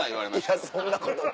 いやそんなことない。